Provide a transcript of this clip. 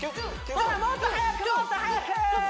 ほらもっと速くもっと速くー！